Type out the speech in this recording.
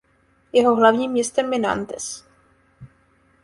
Jeho hlavním městem je Nantes.